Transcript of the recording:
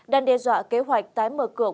đang đe dọa kế hoạch tái mở cửa